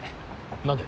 何で？